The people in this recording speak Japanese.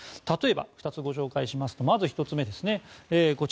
例えば、２つご紹介しますとまず１つ目です。